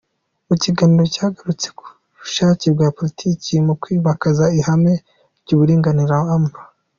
Mu kiganiro cyagarutse ku bushake bwa politiki mu kwimakaza ihame ry’uburinganire, Amb.